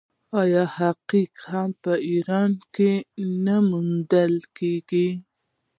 آیا عقیق هم په ایران کې نه موندل کیږي؟